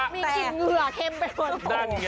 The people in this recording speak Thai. มีกลิ่นเหงื่อเค็มไปหมด